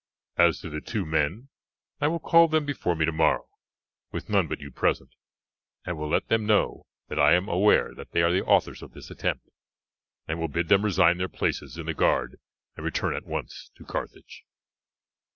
As to the two men, I will call them before me tomorrow, with none but you present, and will let them know that I am aware that they are the authors of this attempt, and will bid them resign their places in the guard and return at once to Carthage."